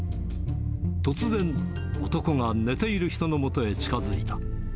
突然、男が寝ている人のもとへ近づいた。